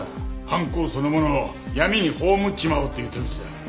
犯行そのものを闇に葬っちまおうっていう手口だ。